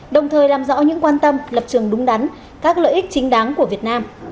đồng thời làm rõ những quan tâm lập trường đúng đắn các lợi ích chính đáng của việt nam